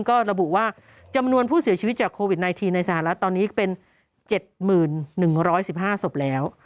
ก็ระบุว่าจำนวนผู้เสียชีวิตจากโควิด๑๙ในสหรัฐตอนนี้เป็น๗๑๑๕ศพแล้ว